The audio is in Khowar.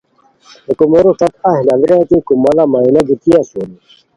ہتے کومورو ݯت اہی لاڑیران کی کوماڑا مینا گیتی اسونی